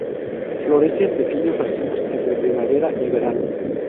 Florece en pequeños racimos entre primavera y verano.